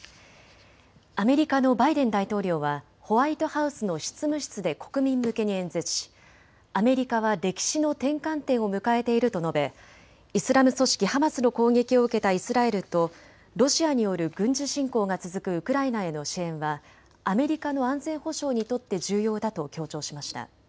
アメリカのバイデン大統領はホワイトハウスの執務室で国民向けに演説しアメリカは歴史の転換点を迎えていると述べ、イスラム組織ハマスの攻撃を受けたイスラエルとロシアによる軍事侵攻が続くウクライナへの支援はアメリカの安全保障にとって重要だと強調しました。